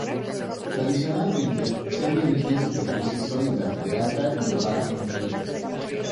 Tradicionalmente se han dividido en superficies sólidas de alta y de baja energía.